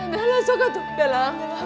bella bangun hatu bella